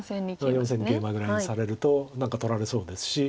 ４線にケイマぐらいされると何か取られそうですし。